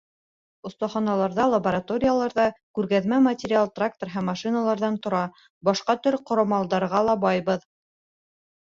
— Оҫтаханаларҙа, лабораторияларҙа күргәҙмә материал трактор һәм машиналарҙан тора, башҡа төр ҡорамалдарға ла байбыҙ.